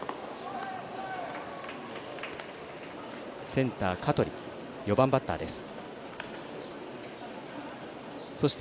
センター、香取４番バッターです。